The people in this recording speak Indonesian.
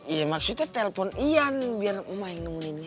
ya maksudnya telpon ian biar emak yang ngomonginnya